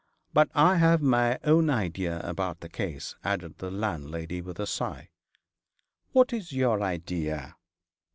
But I have my own idea about the case,' added the landlady, with a sigh. 'What is your idea?'